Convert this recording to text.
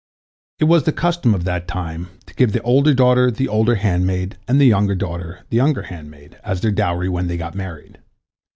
It was the custom of that time to give the older daughter the older handmaid, and the younger daughter the younger handmaid, as their dowry, when they got married.